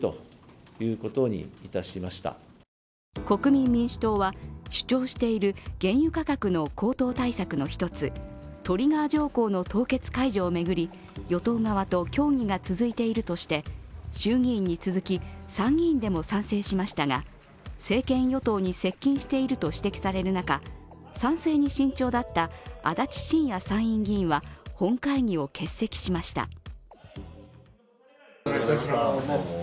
国民民主党は主張している原油価格の高騰対策の一つトリガー条項の凍結解除を巡り与党側と協議が続いているとして衆議院に続き参議院でも賛成しましたが、政権与党に接近していると指摘される中賛成に慎重だった足立信也参院議員は本会議を欠席しました。